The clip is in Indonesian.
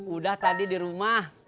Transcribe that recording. udah tadi di rumah